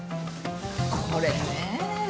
これね。